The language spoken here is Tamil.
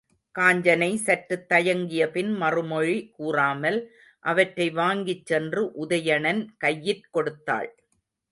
காஞ்சனை சற்றுத் தயங்கியபின் மறுமொழி கூறாமல் அவற்றை வாங்கிச்சென்று உதயணன் கையிற் கொடுத்தாள்.